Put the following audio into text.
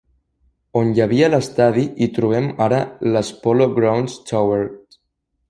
On hi havia l'estadi hi trobem ara les Polo Grounds Towers.